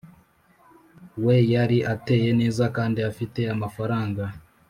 we yari ateye neza kandi afite amafaranga